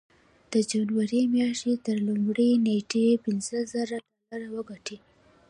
د جنوري مياشتې تر لومړۍ نېټې پينځه زره ډالر وګټئ.